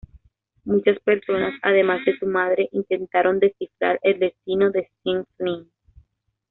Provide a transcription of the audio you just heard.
Muchas personas, además de su madre, intentaron descifrar el destino de Sean Flynn.